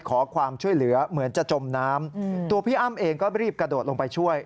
ขอความช่วยเหลือเหมือนจะจมน้ำตัวพี่อ้ำเองก็รีบกระโดดลงไปช่วย